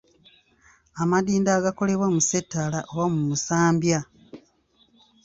Amadinda agakolebwa mu ssettaala oba mu musambya.